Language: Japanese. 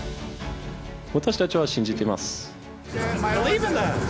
私たちは信じてます。